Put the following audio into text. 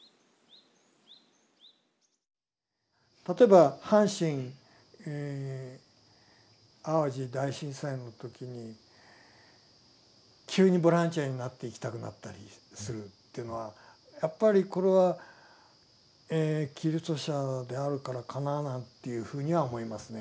例えば阪神・淡路大震災の時に急にボランティアになって行きたくなったりするというのはやっぱりこれはキリスト者であるからかななんていうふうには思いますね。